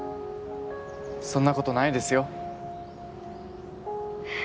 そんなことないですよ。